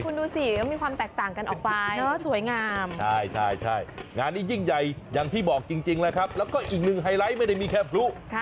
คุณดูสิก็มีความแตกต่างกันออกไปสวยงามใช่งานนี้ยิ่งใหญ่อย่างที่บอกจริงแล้วครับแล้วก็อีกหนึ่งไฮไลท์ไม่ได้มีแค่พลุ